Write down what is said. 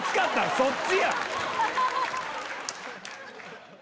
そっちや。